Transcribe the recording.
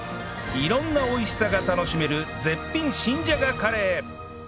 色んな美味しさが楽しめる絶品新じゃがカレー